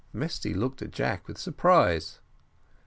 Mesty looked at Jack with surprise.